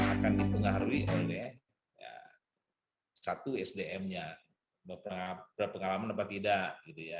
akan dipengaruhi oleh satu sdm nya berapa kalaman berapa tidak